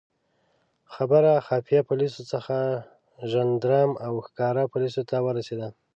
خبره خفیه پولیسو څخه ژندارم او ښکاره پولیسو ته ورسېده.